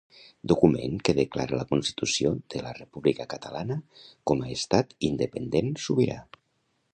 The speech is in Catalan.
Document que declara la constitució de la República Catalana com a Estat independent sobirà